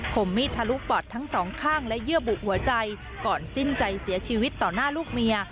มมีดทะลุปอดทั้งสองข้างและเยื่อบุหัวใจก่อนสิ้นใจเสียชีวิตต่อหน้าลูกเมีย